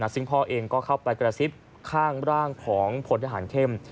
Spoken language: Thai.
ซึ่งพ่อเองก็เข้าไปกระซิบข้างร่างของพลทหารเข้ม